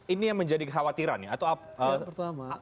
ini yang menjadi kekhawatiran ya